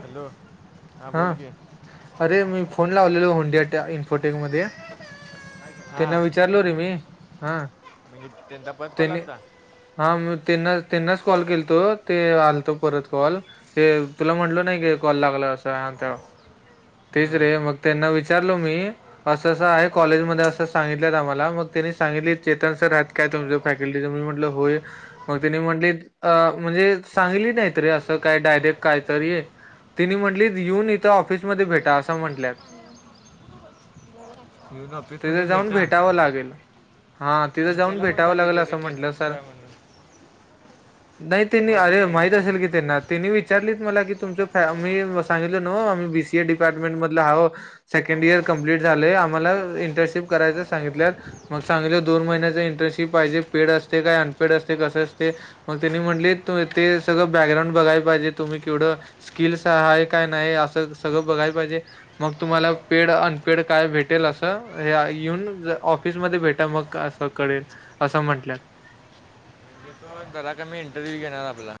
Hello. हां हा बोल की अरे मी फोन लावलेलो होंडिया त्या इन्फोटेक मध्ये हां त्यांना विचारलो रे मी हा. म्हणजे त्यांचा परत कॉल त्यांनी आलता. हा मी त्यांना त्यांनाच कॉल केल तो ते आलतो परत कॉल हे तुला म्हटल नाही की कॉल लागला असं आता तेच हां रे मग त्यांना विचार. म्हंटलो मी अस असं आहे कॉलेज मधे अस सांगितल्यात आम्हाला मग त्यांनी सांगितलीत चेतन सर आहेत काय? फॅकल्टीच मी म्हंटलो होय मग त्यांनी म्हंटलीत अ म्हणजे सांगितली नाही रे अस काय डायरेक्ट. कायतरी त्यांनी म्हंटलीत येऊन इथं ऑफिसमध्ये भेटा असं म्हंटल्यात. [inaudible] ऑफिसमध्ये तिथे जाऊन भेटा भेटावं लागेल. हा तिथं मग जाऊन त्याला कोण भेटावं लागल सांगितले ते असं म्हंटलं केतन सर आहे म्हणून नाही त्यांनी ओळखीच अरे आहे का माहित ते असेल की त्यांना त्यांनी विचार मला की तुमचं मी सांगितलं न्हवं मी बी सी ए डिपार्टमेंट मधला हाव सेकंड इयर कमप्लिट कमप्लिट झालाय आम्हाला इंटरशिप करायच सांगितल्यात मग सांगितलं दोन महिन्याचं इंटरशिप पाहिजे पे का अनपेड असते कस असते मग त्यांनी म्हणले ते सगळं बॅकग्राउंड बघाय पाहिजे तुम्हीवक का नाही अस सगळं बघा पाजे मग तुम्हालाड काय भेटेल अस येन ऑफिसमध्ये भेट मग अस करल अस म्ह म्ह बरा का मी इंटरव्ह्यू घेणार आपला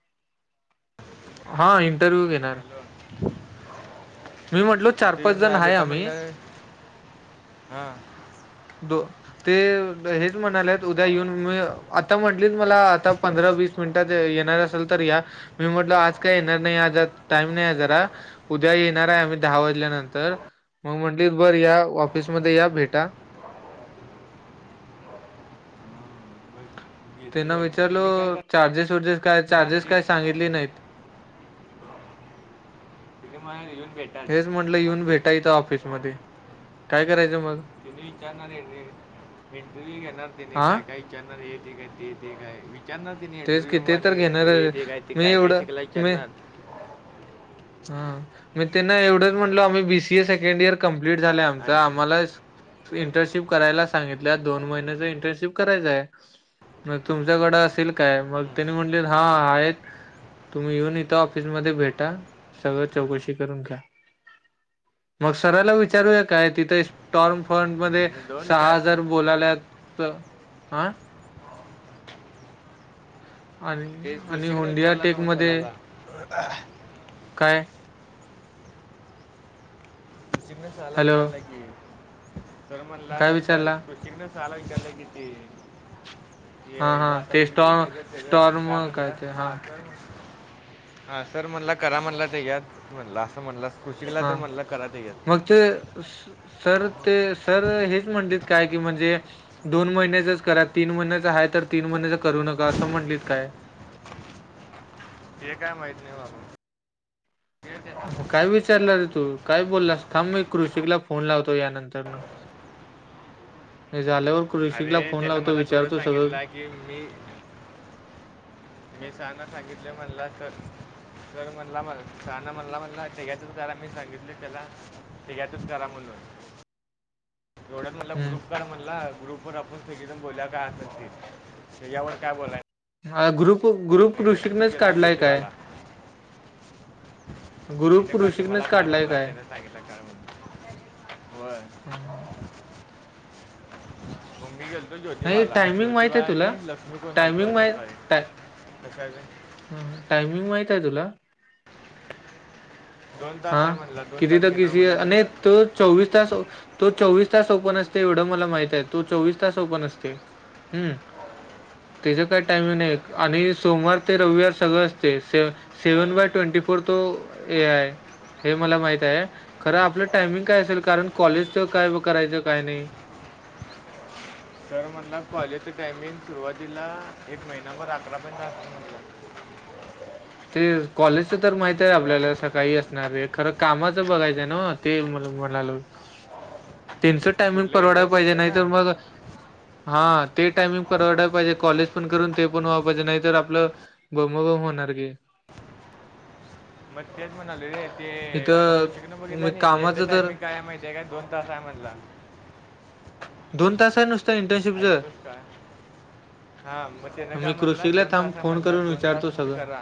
हा इंटरव्ह्यू घेणार हॅलो मी म्हटलो चार पाच जण आहे आम्ही हा दो ते हेच म्हणालेत उद्या येऊन मी आता म्हटलीच मला आता पंधरा वीस ये अस या मी म्हटल आज काय येणार नाहीाम नाही ज उद्या येणार आहे आम्ही दहा वाजल्यानंतर मग म्हंटली बर या ऑफिसमध्येध्ये या भेटा मग तेन येते वाटतं विचारल त्यांनी काय चार्जेस वर्जेस काय करणार चार्जेस ते काय सांगितली नाहीत तिने मला येऊन भेटाच हेच म्हटलं येऊन भेटायचं ऑफिस मध्ये काय करायचं मग ारणार इंटरव्ह घेणारने हा काय काय विचारणार ते ते काय त्यांना तिने तेच ड्रीम किती आणि तर घेणार हे जे काय ते मी काय काय एवढं शिकलाय मी त्यांना हा मी त्यांना एवढंच म्हटलो आम्ही BCA second year complete झालंय आमच आणि आम्हाला इंटर्नशिप करायला सांगितल्या दोन महिन्याच इंटर्नशिप करायचंय मग तुमच्याकडें असेल काय मग त्यांनी म्हटले हा आहेत तुम्ही येऊन इथं ऑफिसमध्येध्ये भेटा सगळं चौकशी करून घ्या मग सराला विचारूया काय तिथं्टॉर्म फंट मध्ये मग दोन सहा काय हजार बोलाल्या हा आणि ते आणि कृषिकने होंडिया विचारला ना टेक मग मध्ये सराला काय त चिग्नस आला हॅलो विचारला की सर म्हनला काय सर विचारला तोिनस सल गडे किती ये हा हा आता ते स्टॉ बघितलं त्याच त्याचं स्टॉर्म काय ते हा म्हणलं हा सर म्हणला करा म्हणला ते यात म्हणला असं म्हणलं खुश केला तर हा म्हणला कराात यात मग ते सर ते सर हेच म्हणतात काय की म्हणजे दोन महिन्याचच करा तीन महिन्याच आहे तर तीन महिन्याच करू नका असं म्हटलीत काय हे काय माहित नाही बाबाू मग काय विचारलं रे तू काय बोललास थांब मी कृषिकला फोन लावतो यानंतरन [unintelligible] हे झाल अरे त्यान मला थोडं सांगितलं की मी मी सांग सांगितलं मला तर तरर म्हणला म साना म्हणला म्हणला तेग्याचच करा मी सांगितले त्याला तेग्यातच करा म्हणून [unintelligible] एवढ्यात म्हटला ग्रुप कर म्हणला ग्रुपवर आपण सजन बोलल्या काय अस ते तर यावर काय बोलाय हा ग्रुप ग्रुप कृषीनेच गेलतो काढलाय काय ज्योतिबाला मी ग्रुप न काल मला कृषिकनेच काळ काढलाय म्हणला काय त्याने सांगितलं काळ म्हण होय नाही [unintelligible] मग् मी गेलतो ज्योतिबाला टायमिंग माहित ज्योतिबा आहे आणि तुला लक्ष्मी कोण आलतो अं काळी हा टायमिंग माहित आहे तुला दोन हा तास आहे म्हणला दोन किती तास तर घेणार किस म्हणला मी आणि करतो तो चोवीस तास तो चोवीस स तास ओपन असते एवढं मला माहित आहे तो चोवीस तास ओपन असते हम् त्याच काय टायमिंग आहे आणि सोमवार ते रविवार सगळं असते सेव्हन बाय ट्वेंटी फोर तो ए आहे हे मला माहित आहे खरं आपलं टायमिंग काय असेल, कारण कॉलेजच काय करायचं काय नाही तरर म्हटलं कॉलेजचं टायमिंग सुरुवातीला एक महिनाभर अकरापर्ंत जास्त म्हटलं ते कॉलेजच तर माहित आहे सरांनी आपल्याला बोलला सकाळी असणार हां आहे खरं कामाचं बघायचं ना ते म म्ह तीनच टायमिंग कुठलं परवडाला पाहिजे इंटर्नशिपचं नाही ना तर मग हा ते टायमिंग परवडाला पाहिजे, कॉलेज पण करून ते पण व्हा पाहिजे नाही तर आपलं बोंबाबोंब होणार की मग तेच म्हणाल रे ते आता इथं पुशिकन मी बघितलं नाही त्यांचा कामाचं तर टायमिंग काय आहे माहिती आहे काय दोन तास आहे म्हण ला दोन तास नुस ऐकतोस का हा मग ते न का मी म्हटला कृषीला दोन थांब तास फोन म्हटला करून दोन तास विचारतो तुम्ही सगळं. करा.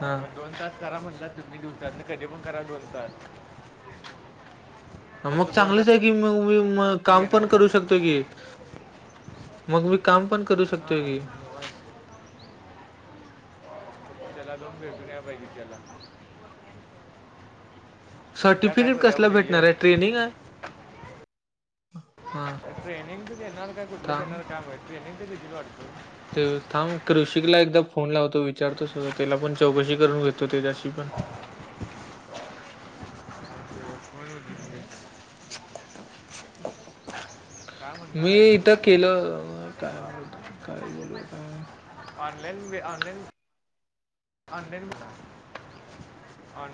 हां, मग दोन तास करा म्हणला तुम्ही दिवसात कधी पण करा दोन तास मग फक्त दोन चांगलंच आहे की मग, मी तास काम घेणार पण करू शकतो की मग मी काम पण करू शकतोय हां की, काय पाहिजे त्याला उद्या काय सर्टिफिकेट करूया कसला उद्या ये भेटणार आहे, ट्रेनिंग आहे हां, ट्रेनिंग तर देणार का कुठलं थांब देणार काय ट्रेनिंग तर किथ वाटतो. ते थांब कृषिकला एकदा फोन लावतो विचारतो सुद त्याला पण चौकशी करून घेतो त्याच्याशी पण हो काय म्हणणार मी इथं आहे केलं हो कायता काय बोलूता ऑनलाईन व ऑनलाईन ऑंदन मिला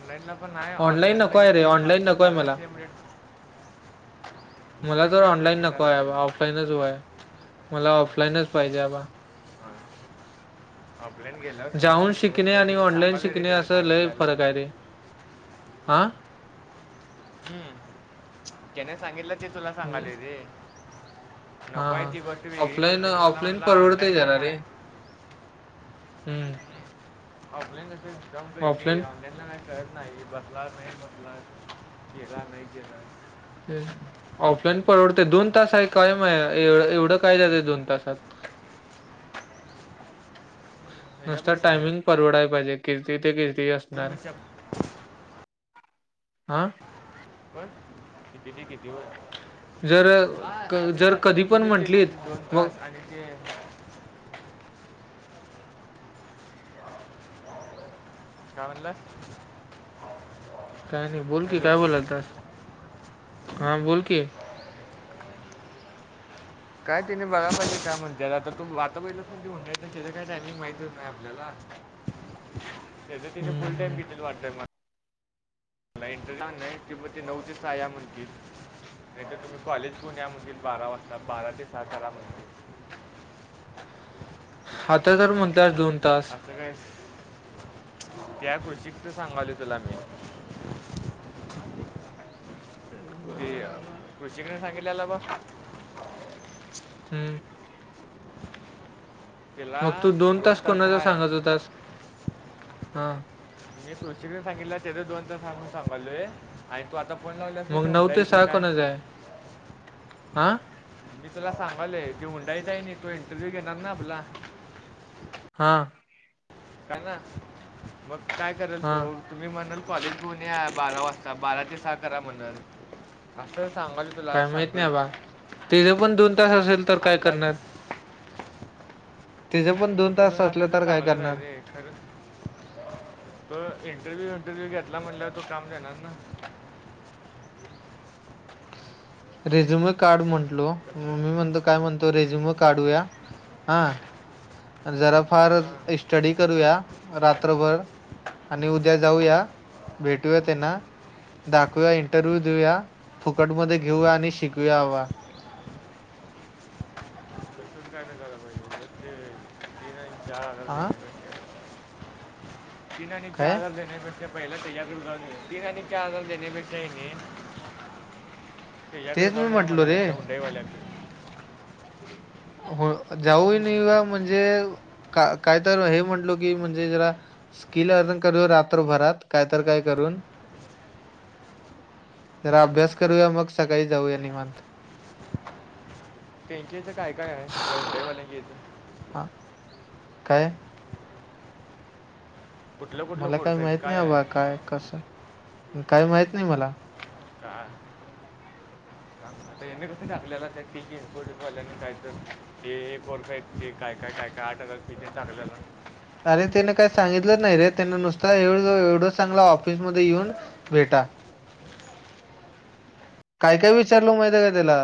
ऑनलाईन ला पण आहे ऑनलाईन ऑनलाइनला नको आहे रे किती ऑनलाईन पाच ते नको आहे मला साडेशे मिनिट मला तर रेट ऑनलाईन नको सांगितलेला आहे बा असेल ऑफलाईनचय मला ऑफलाईनच पाहिजे अबा हम आपल्यान गेलं जाऊन समस्तेश्वर शिकणे तर आणि तिला ऑनलाईन सांगालं रे शिकणे तिने असं सांगितल्यालं आ हम्म जने सांगितलं ते तुला सांगाले तेे हा हा खरं ऑफलाईन, त्याने मला ऑफलाईन म्हणला परवडतय ऑनलाईन पण तेला रे आहे हम्म ऑफलाईन कसे ऑफलाईन ऑनलाईन ला नाही कर. नाही बसला नाही बसला, गेला नाही गेला. ऑफलाईन परवडते दोन तास आहे. कायम आहे ए एवढं काय जातं दोन तासात त्याच्या नसत पैसे आहे टायमिंग परवडाय पाहिजे किती ते किती अस तपश आह होय किती ते किती वय जर हा क- आता ते जर आता कधी पण बघितले ते म्हंटलीत दोन मग तास आणि ते काय म्हणालास काय नाही बोल की, काय बोलालतास? हा बोलकी काय तिने बघाय पाहिजे काय म्हणते आता तू आता बहिला कोण उद्याच टायमिंग काय माहतीच नाही आपल्याला त्या तर तिने हम्म फुल हम्म टाइम घितीला वाटतय मला मला इंटर ला नाही तिब ते नऊ ते सहाया म्हणतील [inaudible] नाही तरर तुम्ही कॉलेज पुण्या या म्हणती बारा वाजता बारा ते सात [inaudible] आरा म्हणे आता तर म्हणतात दोन तास असं काय त्या कृष [unintelligible] कच सांगालोय तुला मी ते कु्चिकने सांगितलेला बा [unintelligible] हम्म तिला मग तू दोन तास कोणाचा सांगात होतास. हा मी सृशिकने सांगितलं तेथ दोन तास सांगून सांभालोय आणि तू आता [unintelligible] मग नऊ ते सहा कोणाच आहे. मी तुला सांगाल ती हुंडाईच आहे ना तू इंटरव्ह्यू घेणार ना आपला, हा का ना मग काय करेल हा तो तुम्ही म्हणाल कॉलेज गुणे बारा वाजता बारा ते सहा करा म्हण असं सांगाल तुला काय माहीत सांगल नाही बा तिथे पण दोन तास असेल तर काय अंदाज करणार. तिचं दोन पण तास असल्या असलं तर काय चांगलंच आहे करणार र खरं त इंटरव्हू इंटरव्ह्यू घेतला म्हणल्यावर तो काम देणार ना. रेझ्युम काड म्हटलो कसं म मी म्हणतो काय म्हणतो रेझ्युम काढूया. हा जरा फार हां स्टडी करूया रात्रभर आणि उद्या जाऊया भेटूया. त्यांना दाखवूया इंटरव्ह्यू देऊया. फुकटमध्ये घेऊया आणि शिकयावा. तसंच काय नाही करायला पाहिजे उगाच ते तीन आणि चार हजार आ जिना नाही चॅदल देणे म [inaudible] अा पहिला क कु ती हनी का देने बेने [inaudible] ते याकडे तेच मी जाऊन या म्हटलो रे म्हणालीव ईवाल्या [inaudible] हो जाऊ नाही का हम्म, म्हणजे कायत हे म्हटलो की म्हणजे जरा स्किल अर्निंग कर रात्रभरात कायत काय करून जरा अभ्यास हम्म. करूया मग सकाळी जाऊया निवांत. टंकी याचं काय काय आहे त्या हंडाईवाल्यांकीथ [inaudible] हा काय कुठलं कुठलं मला काही कोर्स आहेत माहित नाही काय अबा आहे काय कसं काय माहित नाही मला, का. आता कस टाकलेलाल्यायच ते एक वर्फा आहेत ते काय काय [inaudible] काय काय आठ तिथे चगलं ना [inaudible] आणि त्या काही सांगितलंच नाही रे त्यांना नुसता एवढं चांगला ऑफिस मध्ये येऊन भेटा. ह काय काय विचारल माहित आहे का, त्याला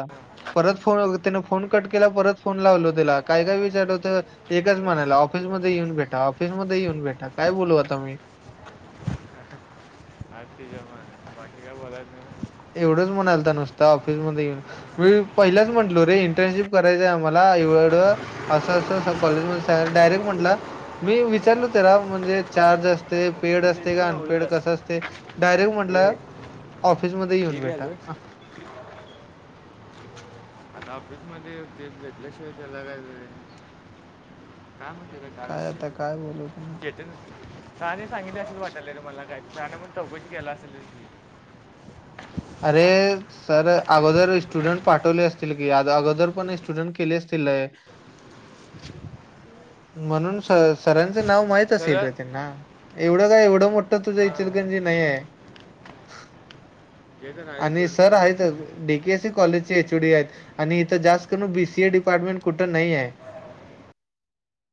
परत फोन त्याने फोन कट केला परत फोन लावलो त्याला काय काय विचारलंत एकाच म्हणायला ऑफिस ऑफिस मध्ये येऊन भेटा ऑफिसमध्ये येऊन भेटा काय बोलू आता म्ही आख ज म [inaudible] एवढंच म्हणाल तर नुसता ऑफिसमध्येध्ये येेऊन मी पहिलाच म्हटलो रे इंटर्नशिप करायचंय आम्हाला अस अस कॉलेज मध्ये सांग डायरेक्ट म्हंट मी विचारल त्याला म्हणजे चार्ज अस पेड पेंटू असते. अनपेड मावलेला कस असते. डायरेक्ट म्हट हे हे ऑफि मध्ये येऊन ठीक आहे भेटा. लो आता ऑफिसमध्ये ते घेेतल्याशिवाय त्याला काय. काय म्ह का का काय विष आता काय बोलू त्यांना येत ना [inaudible] राणे सांगितले अस वाटले ल मला काय आता म्हून चौकशी केला असेल त अरे सर अगोदर शोधून स्टुडंट काढलं. पाठवले असतील की, अज अ अगोदर म्हणे स्टुडन्ट केले असतील लय म्हणून स सरा ते नाव माहित असेल खरं रे त्यांना एवढं काय एवढं मोठ तुझं हां इचलकरंजी नाही ये. ते तर आहे आणि सोड सर आहेतचं डी के सी कॉलेजचे एच ओ डी आहेत आणि इथ जास्त करून बी सी ए डिपार्टमेंट कुठ नाहीये. [inaudible]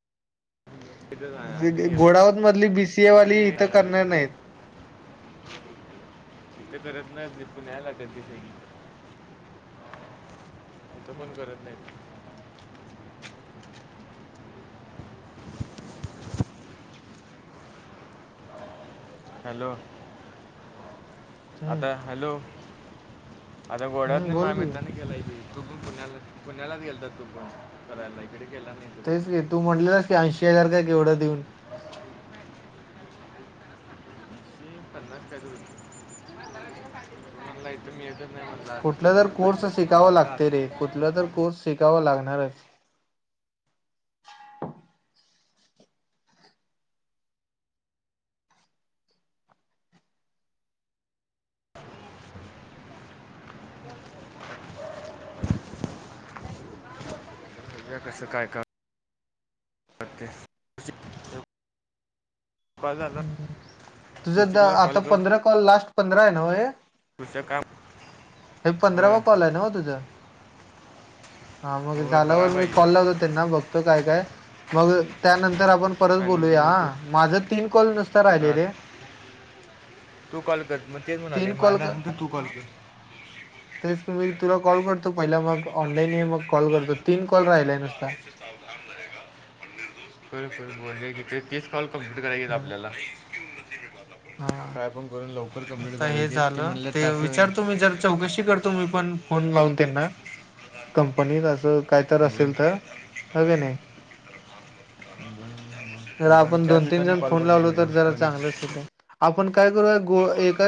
ते तर आहे आणि घोडावत मधली बी सी ए वाली ते इथं काय आहे करणार नाहीत. ते. ते करत नाय पुण्याला करते सगळी इथं पण करत नाहीत. हॅलो हम्म आता हॅलो आता हम्म गोड्यातनी बोल माया की मितरानी केलाय की तु पण पुण्याला पुण्यालाच गेलता तो पण करायला इकड केला नाही तू तेच ग तू म्हटलंस की ऐशी हजार काय केवढं देऊन [inaudible] हं पन्नास काय तरी होतं तो म्हणला इथं मी येत नाय म्हटला आता कुठला तर तुम्हाला कोर्स पाहिजे [unintelligible] का? द्यावं लागणारच. बघूया कसं काय का कॉल झाला तुझं द कृषिकला आता पंधरा कॉल, लास्ट पंधरा आहे न्हवं हे? तूच काम हे पंधरावा होय कॉल हाय न्हवं तुझा? हा मग होय बघा झाल्यावर मी कॉल पाहिजे लावतो त्यांना. बघतो काय काय मग त्यानं तर आपण परत आणि बोलूया मग तू हा माझं तीन कॉल नुसत राहिले हा, रे. तू कॉल कर मग. तेच म्हणाले तीन कॉल माझा क- नंतर तू कॉल हा, कर. तेच कि, मी तुला कॉल करतो पहिला. मग ऑनलाईन ये मग कॉल करतो तीन कॉल राहिलाय नुसता. [inaudible] खरं खरं बोल की ते तीस कॉल कमप्लीट करायचीेत हम्म. आपल्याला. हा काय पण करून लवकर कम्प्लीट आता हे करायचे आहेत. झालं. म्हणले ते तास विचारतो मी जर चौकशी करतो मी पण फोन लावून त्यांना कंपनीत असं काय तर दोन असेल तर हाय की नाही? बरं, जर बरं. हो का मी आपण चहा दोन तीन पिताना जण कॉल फोन करतो लावलो तर तुला जरा लगेच चांगलंच [unintelligible] आपण काय करूया गो एका